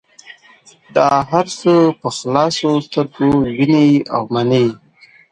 دا هر څه په خلاصو سترګو وینې او مني.